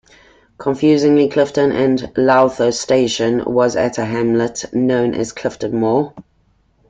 Confusingly Clifton and Lowther Station was at a hamlet known as Clifton Moor.